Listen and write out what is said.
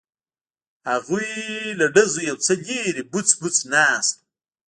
هغوی له ډزو یو څه لرې بوڅ بوڅ ناست وو.